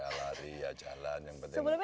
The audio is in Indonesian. ya lari ya jalan yang penting ada olahraga